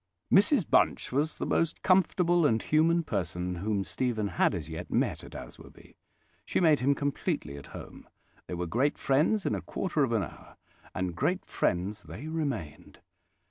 Mrs Bunch was the most comfortable and human person whom Stephen had as yet met in Aswarby. She made him completely at home; they were great friends in a quarter of an hour: and great friends they remained.